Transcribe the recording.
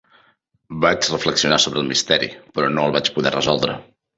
Vaig reflexionar sobre el misteri, però no el vaig poder resoldre.